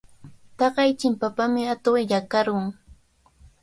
Taqay chimpapami atuq illakarqun.